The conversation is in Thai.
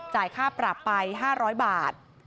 จ่ายค่าปรับไป๕๐๐บาท